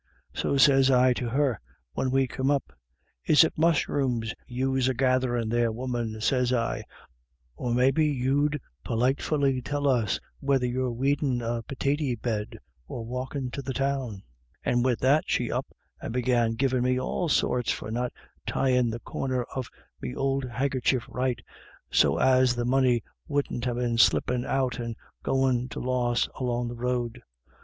So sez I to her, when we come up : 'Is it musheroons yous are gatherin' there, woman ?' sez I, c or maybe you'd politefully tell us whether you're weedin' a pitatie bed or walkin' to the Town.' And wid that she up and began givin' me all sorts for not tyin' the corner of me ould hankycher right, so as the money wouldn't ha* been slippin' out an' goin* to loss along the road.